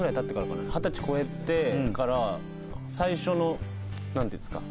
二十歳超えてから最初の何て言うんですか。